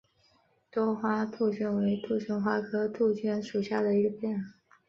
多花杜鹃为杜鹃花科杜鹃属下的一个种。